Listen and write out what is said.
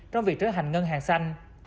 trong việc trở thành ngân hàng xanh